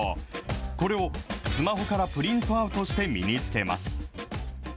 これをスマホからプリントアウトして身につけます。